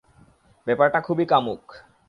ব্যাপারটা খুবই কামুক।